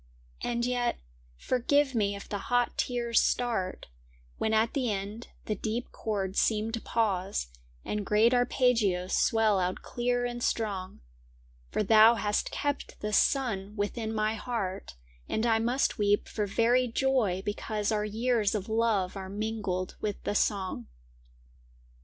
And yet, forgive me if the hot tears start, When at the end the deep chords seem to pause And great arpeggios swell out clear and strong, For thou hast kept the sun within my heart And I must weep for very joy because Our years of love are mingled with the song.